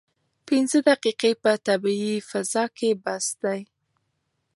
پنځه دقیقې په طبیعي فضا کې بس دي.